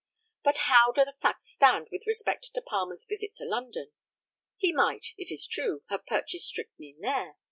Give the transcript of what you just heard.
But, how do the facts stand with respect to Palmer's visit to London? He might, it is true, have purchased strychnine there.